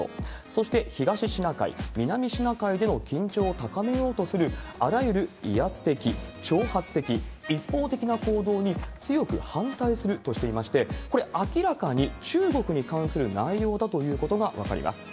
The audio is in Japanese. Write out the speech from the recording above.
そして東シナ海、南シナ海での緊張を高めようとするあらゆる威圧的、挑発的、一方的な行動に強く反対するとしていまして、これ、明らかに中国に関する内容だということが分かります。